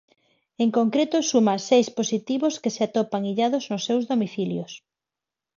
En concreto, suma seis positivos que se atopan illados nos seus domicilios.